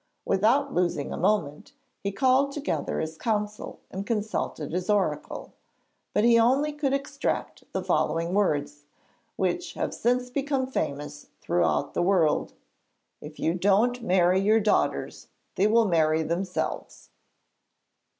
Without losing a moment he called together his council and consulted his oracle, but he only could extract the following words, which have since become famous throughout the world: 'If you don't marry your daughters, they will marry themselves.'